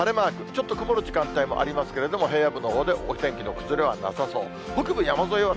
ちょっと曇る時間帯もありますけれども、平野部のほうでお天気の崩れはなさそう。